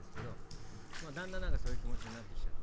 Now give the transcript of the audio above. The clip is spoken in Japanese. だんだん、そういう気持ちになってきちゃって。